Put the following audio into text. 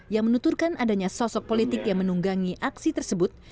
yang menuturkan adanya sosok politik yang menunggangi aksi tersebut